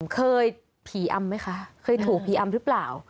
เคยผีอำไหมคะเคยถูกผีอำหรือเปล่า